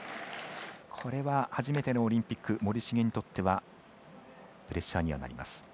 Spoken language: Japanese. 初めてのオリンピック森重にとってはプレッシャーにはなります。